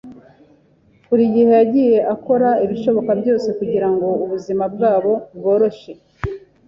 Buri gihe yagiye akora ibishoboka byose kugirango ubuzima bwabo bworoshe.